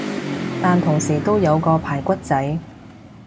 但同時都有個排骨仔